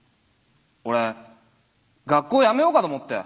俺学校やめようかと思って。